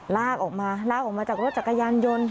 ลากออกมาจากรถจักรยานยนต์